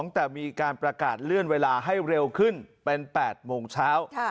แต่มีการประกาศเลื่อนเวลาให้เร็วขึ้นเป็น๘โมงเช้า